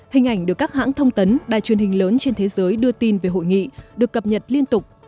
hình ảnh được các hãng thông tấn đài truyền hình lớn trên thế giới đưa tin về hội nghị được cập nhật liên tục